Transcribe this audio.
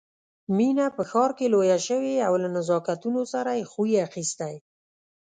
مينه په ښار کې لويه شوې او له نزاکتونو سره يې خوی اخيستی